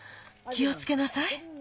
気をつけなさい。